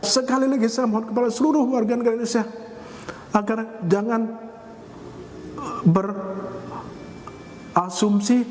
sekali lagi saya mohon kepada seluruh warga negara indonesia agar jangan berasumsi